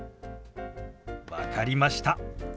分かりました。